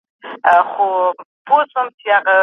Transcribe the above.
که زده کوونکي ګډ فکر وکړي، حل لارې نه ورکيږي.